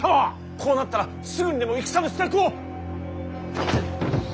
こうなったらすぐにでも戦の支度を。